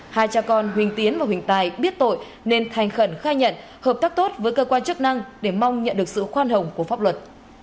hai cha con huỳnh tiến và huỳnh tài biết tội nên thành khẩn khai nhận hợp tác tốt với cơ quan chức năng để mong nhận được sự khoan hồng của pháp luật